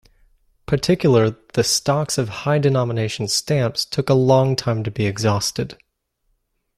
Particular the stocks of high denomination stamps took a long time to be exhausted.